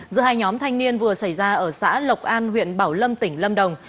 giữa hai nhóm thanh niên vừa xảy ra ở xã lộc an huyện bảo lâm tỉnh lâm đồng